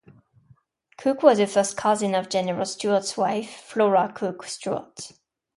Cooke was a first cousin of General Stuart's wife, Flora Cooke Stuart.